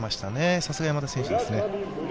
さすが山田選手ですね。